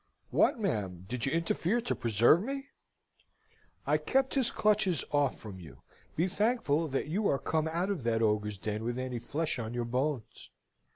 "What, ma'am, did you interfere to preserve me?" "I kept his clutches off from you: be thankful that you are come out of that ogre's den with any flesh on your bones!